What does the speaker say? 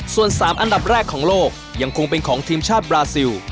ส่วน๓อันดับแรกของโลกยังคงเป็นของทีมชาติบราซิล